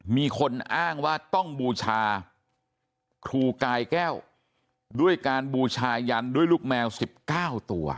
มีคนอ้างว่าต้องบูชาครูกายแก้วด้วยการบูชายันด้วยลูกแมว๑๙ตัว